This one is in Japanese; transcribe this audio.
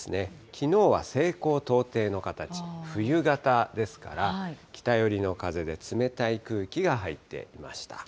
きのうは西高東低の形、冬型ですから、北寄りの風で冷たい空気が入ってきました。